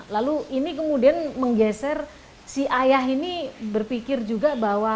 lalu ini kemudian menggeser si ayah ini berpikir juga bahwa